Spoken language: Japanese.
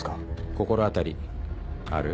心当たりある？